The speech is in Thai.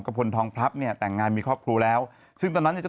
พลทองพลับเนี่ยแต่งงานมีครอบครัวแล้วซึ่งตอนนั้นเนี่ยจะ